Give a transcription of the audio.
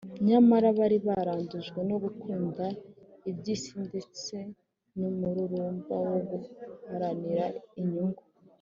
nyamara bari barandujwe no gukunda iby’isi ndetse n’umururumba wo guharanira inyungu